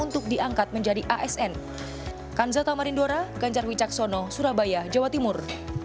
tunggu bertahun tahun untuk diangkat menjadi asn